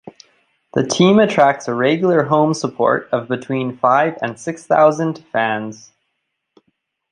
The team attracts a regular home support of between five and six thousand fans.